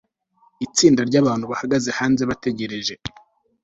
Itsinda ryabantu bahagaze hanze bategereje